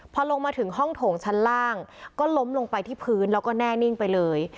พอลงมาถึงห้องโถงชั้นล่างก็ล้มลงไปที่พื้นแล้วก็แน่นิ่งไปเลย